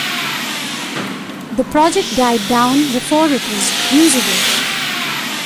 The project died down before it was usable.